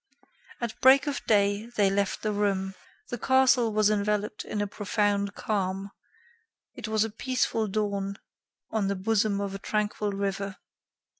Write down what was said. At break of day, they left the room. The castle was enveloped in a profound calm; it was a peaceful dawn on the bosom of a tranquil river.